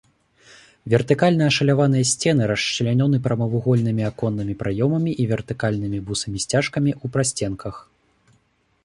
Вертыкальна ашаляваныя сцены расчлянёны прамавугольнымі аконнымі праёмамі і вертыкальнымі бусамі-сцяжкамі ў прасценках.